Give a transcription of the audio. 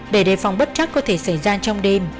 để đề phòng bất chắc có thể xảy ra trong đêm